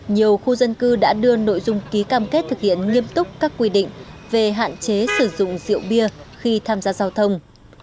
nhiều khu dân cư đã đưa nội dung ký cam kết thực hiện nghiêm túc các quy định về hạn chế sử dụng rượu bia khi tham gia giao thông